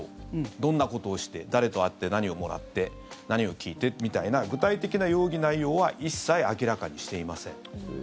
どんなことをして誰と会って、何をもらって何を聞いてみたいな具体的な容疑内容は一切明らかにしていませんと。